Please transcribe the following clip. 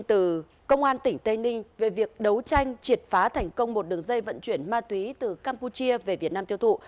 từ công an tỉnh tây ninh về việc đấu tranh triệt phá thành công một đường dây vận chuyển ma túy từ campuchia về việt nam tiêu thụ